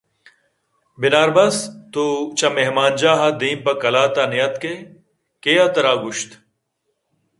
بناربس ! تو چہ مہمان جاہ ءَ دیم پہ قلات ءَ نیاتکے ؟ کئے ءَتراگوٛشت